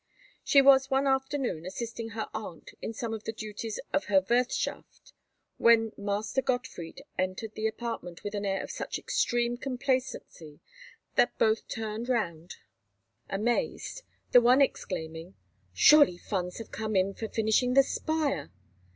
She was one afternoon assisting her aunt in some of the duties of her wirthschaft, when Master Gottfried entered the apartment with an air of such extreme complacency that both turned round amazed; the one exclaiming, "Surely funds have come in for finishing the spire!"